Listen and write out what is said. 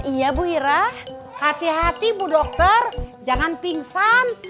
iya bu ira hati hati bu dokter jangan pingsan